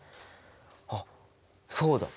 あっそうだ！